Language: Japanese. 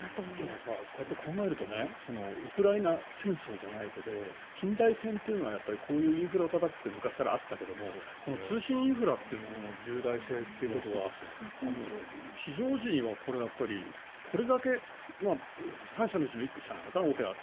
でも、こうやって考えるとウクライナ戦争じゃないけど近代戦というのはこういうインフラをたたくって昔からあったけど通信インフラっていうものの重大性ということは非常時にはこれだけ３社のうちの１社なのかな